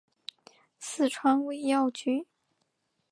四川尾药菊